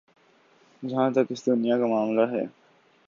جہاں تک اس دنیا کا معاملہ ہے۔